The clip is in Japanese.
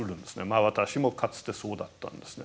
私もかつてそうだったんですね。